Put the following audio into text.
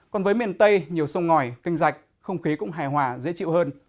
còn với miền tây nhiều sông ngòi canh rạch không khí cũng hài hòa dễ chịu hơn